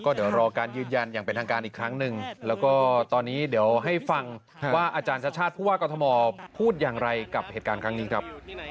เดี๋ยวรอการยืนยันอย่างเป็นทางการอีกครั้งหนึ่งแล้วก็ตอนนี้เดี๋ยวให้ฟังว่าอาจารย์ชาติชาติผู้ว่ากรทมพูดอย่างไรกับเหตุการณ์ครั้งนี้ครับ